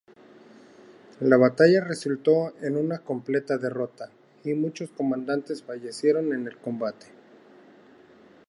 La batalla resultó en una completa derrota, y muchos comandantes fallecieron en el combate.